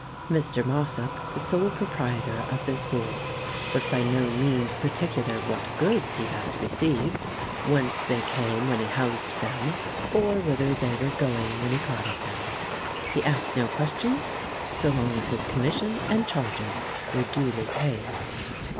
Mr. Mossop, the sole proprietor of this wharf, was by no means particular what goods he thus received, whence they came when he housed them, or whither they were going when he carted them. He asked no questions, so long as his commission and charges were duly paid.